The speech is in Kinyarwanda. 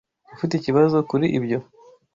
Ufite ikibazo kuri ibyo?